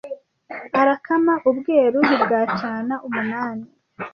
Arakama u Bweru Ntibwacana umunani